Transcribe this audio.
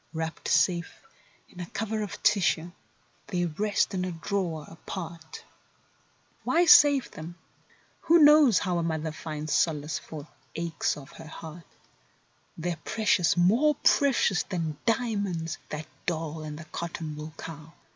Wrapped safe in a cover of tissue, they rest in a drawer apart; Why save them? Who blows how mother finds solace for aches of heart? They're precious; more precious than dia¬ monds, that doll and the cotton¬ wool cow.